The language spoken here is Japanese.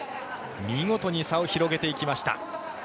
見事に差を広げていきました。